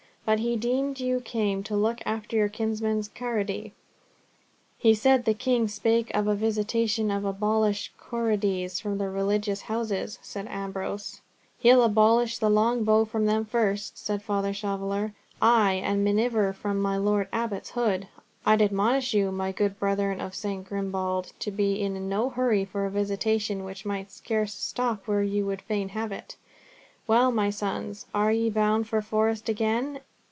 but he deemed you came to look after your kinsman's corrody." "He said the king spake of a visitation to abolish corrodies from religious houses," said Ambrose. "He'll abolish the long bow from them first," said Father Shoveller. "Ay, and miniver from my Lord Abbot's hood. I'd admonish you, my good brethren of S. Grimbald, to be in no hurry for a visitation which might scarce stop where you would fain have it. Well, my sons, are ye bound for the Forest again?